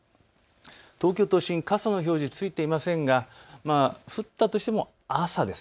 東京都心、傘の表示ついていませんが降ったとしても朝です。